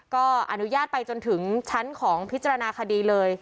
ก็อนุญาตไปจนถึงชั้นของพิจารณาคดีเลย